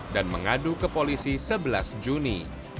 dan mengadu ke polisi sebelas juni